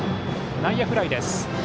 内野フライです。